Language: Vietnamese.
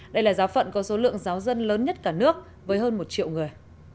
đây là giáo phận có số lượng giáo dân lớn nhất cả nước với hơn một triệu người